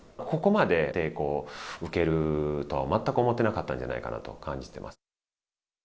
ここまで抵抗を受けるとは全く思ってなかったんじゃないかなと感じてます。